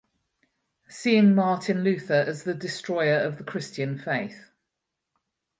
Seeing Martin Luther as the destroyer of the Christian faith.